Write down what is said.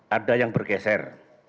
ada yang bergeser